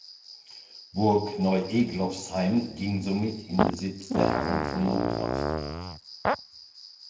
Burg Neuegloffsheim ging somit in Besitz der Herren von Nothaft.